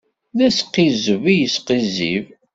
D asqizzeb i yesqizzib.